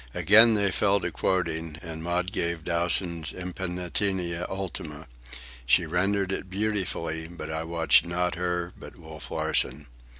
Again they fell to quoting, and Maud gave Dowson's "Impenitentia Ultima." She rendered it beautifully, but I watched not her, but Wolf Larsen.